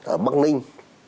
ở bắc ninh